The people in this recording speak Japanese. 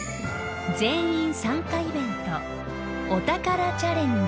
［全員参加イベントお宝チャレンジ］